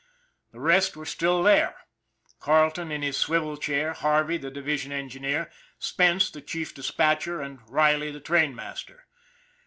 The rest were still there : Carleton in his swivel chair, Harvey, the division engineer, Spence, the chief dis patcher, and Riley, the trainmaster.